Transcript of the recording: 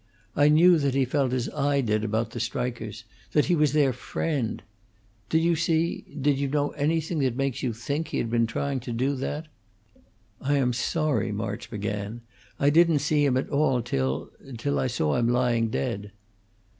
I knew that he felt as I did about the strikers: that he was their friend. Did you see do you know anything that makes you think he had been trying to do that?" "I am sorry," March began, "I didn't see him at all till till I saw him lying dead."